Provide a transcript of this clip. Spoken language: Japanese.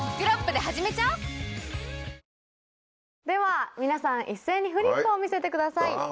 では皆さん一斉にフリップを見せてください。